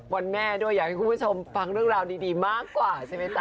วันแม่ด้วยอยากให้คุณผู้ชมฟังเรื่องราวดีมากกว่าใช่ไหมจ๊